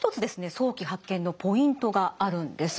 早期発見のポイントがあるんです。